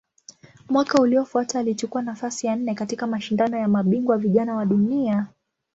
Mwaka uliofuata alichukua nafasi ya nne katika Mashindano ya Mabingwa Vijana wa Dunia.